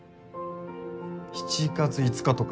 ７月５日とか？